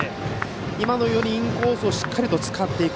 今のようにインコースをしっかりと使っていく。